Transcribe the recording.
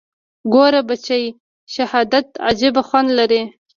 ګوره بچى شهادت عجيبه خوند لري.